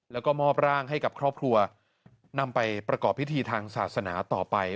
แล้วก็มอบร่างให้กับครอบครัวนำไปประกอบพิธีทางศาสนาต่อไป